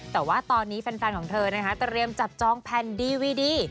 แต่ว่าตอนนี้แฟนของเธอนะคะเตรียมจับจองแผ่นดีวีดี